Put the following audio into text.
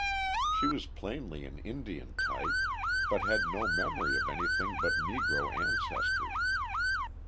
She was plainly an Indian type but had no memory of anything but Negro ancestry.